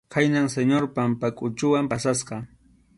Khaynam Señor Pampakʼuchuwan pasasqa.